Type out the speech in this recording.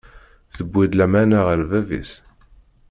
Tewweḍ lamana ɣer bab-is.